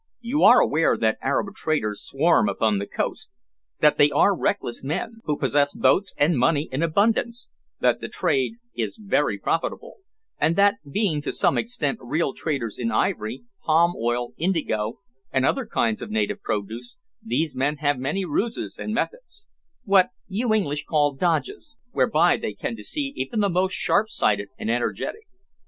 You are aware that Arab traders swarm upon the coast, that they are reckless men, who possess boats and money in abundance, that the trade is very profitable, and that, being to some extent real traders in ivory, palm oil, indigo, and other kinds of native produce, these men have many ruses and methods what you English call dodges whereby they can deceive even the most sharp sighted and energetic.